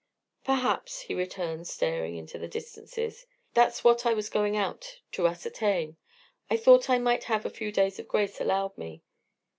"Perhaps," he returned, staring into the distances. "That's what I was going out to ascertain. I thought I might have a few days of grace allowed me."